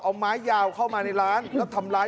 เอาไม้ยาวเข้ามาในร้านแล้วทำร้าย